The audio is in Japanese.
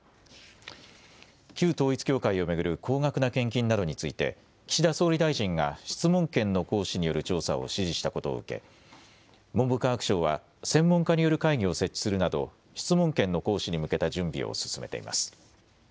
旧統一教会を巡る高額な献金などについて岸田総理大臣が質問権の行使による調査を指示したことを受け文部科学省は専門家による会議を設置するなど質問権の行使に向けた準備を進めています。